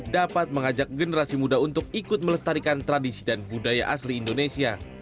dapat mengajak generasi muda untuk ikut melestarikan tradisi dan budaya asli indonesia